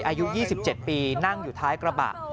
อายุ๒๗ปีนั่งอยู่ท้ายกระบะ